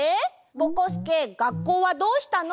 ぼこすけがっこうはどうしたの？